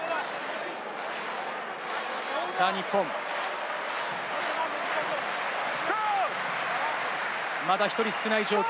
日本、まだ１人少ない状況。